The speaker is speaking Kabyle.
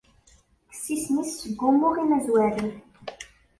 Kkes isem-is seg umuɣ imazwaren.